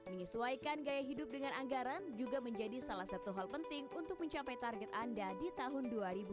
menyesuaikan gaya hidup dengan anggaran juga menjadi salah satu hal penting untuk mencapai target anda di tahun dua ribu dua puluh